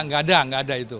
bank jabar tidak ada itu